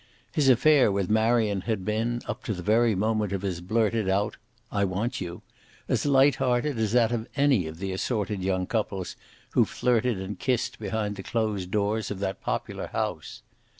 His affair with Marion had been, up to the very moment of his blurted out "I want you," as light hearted as that of any of the assorted young couples who flirted and kissed behind the closed doors of that popular house.